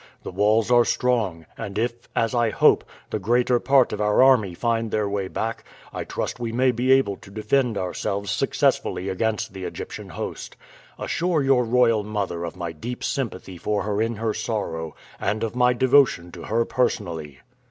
The walls are strong, and if, as I hope, the greater part of our army find their way back, I trust we may be able to defend ourselves successfully against the Egyptian host. Assure your royal mother of my deep sympathy for her in her sorrow, and of my devotion to her personally."